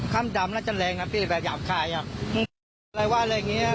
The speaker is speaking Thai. คำดำน่าจะแรงนะพี่แบบหยาบคายอ่ะมึงอะไรว่าอะไรอย่างเงี้ย